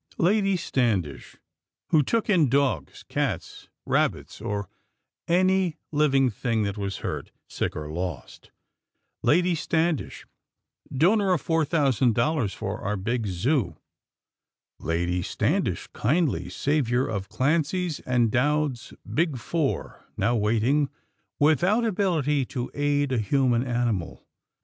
Lady Standish, who took in dogs, cats, rabbits or any living thing that was hurt, sick or lost; Lady Standish, donor of four thousand dollars for our big Zoo; Lady Standish, kindly savior of Clancy's and Dowd's "Big Four," now waiting, without ability to aid a human animal.